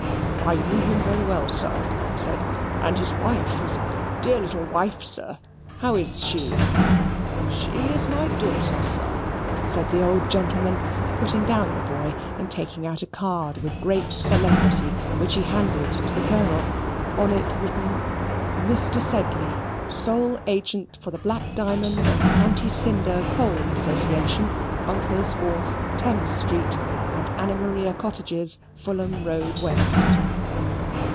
"I knew him very well, sir," he said, "and his wife, his dear little wife, sir how is she?" "She is my daughter, sir," said the old gentleman, putting down the boy and taking out a card with great solemnity, which he handed to the Colonel. On it written "Mr. Sedley, Sole Agent for the Black Diamond and Anti Cinder Coal Association, Bunker's Wharf, Thames Street, and Anna Maria Cottages, Fulham Road West."